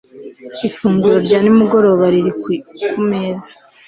Ifunguro rya nimugoroba riri kumeza